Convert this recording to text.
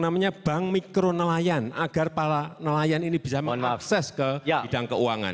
namanya bank mikro nelayan agar para nelayan ini bisa mengakses ke bidang keuangan